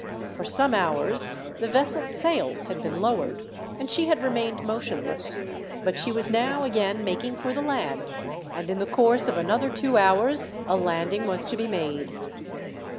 For some hours the vessel's sails had been lowered, and she had remained motionless; but she was now again making for the land, and in the course of another two hours a landing was to be made.